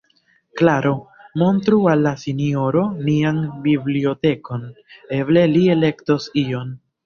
Klaro, montru al la sinjoro nian bibliotekon, eble li elektos ion.